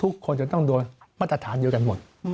ทุกคนจะต้องโดนมาตรฐานเดียวกันหมด